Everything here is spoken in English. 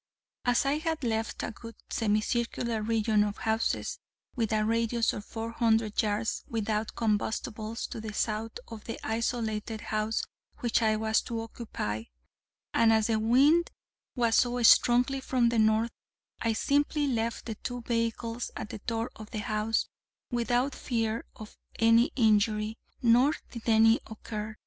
As I had left a good semicircular region of houses, with a radius of four hundred yards, without combustibles to the south of the isolated house which I was to occupy, and as the wind was so strongly from the north, I simply left my two vehicles at the door of the house, without fear of any injury: nor did any occur.